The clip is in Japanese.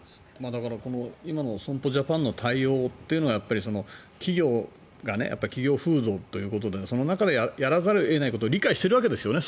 だから、今の損保ジャパンの対応というのは企業が企業風土ということでその中でやらざるを得ないことを理解しているわけですよね。